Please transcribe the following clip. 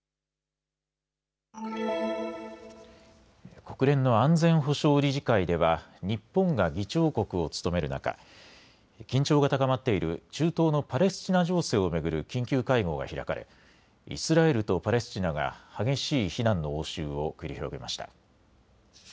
国連の安全保障理事会では日本が議長国を務める中、緊張が高まっている中東のパレスチナ情勢を巡る緊急会合が開かれイスラエルとパレスチナが激しい非難の応酬を繰り広げました。